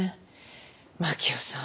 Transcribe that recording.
真樹夫さん